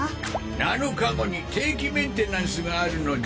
７日後に定期メンテナンスがあるのじゃ。